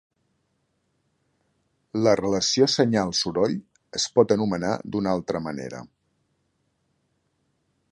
La relació senyal-soroll es pot anomenar d'una altra manera.